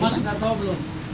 mas nggak tahu belum